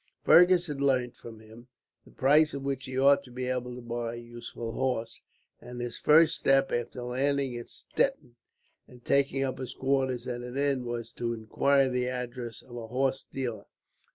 Fergus had learnt, from him, the price at which he ought to be able to buy a useful horse; and his first step, after landing at Stettin and taking up his quarters at an inn, was to inquire the address of a horse dealer.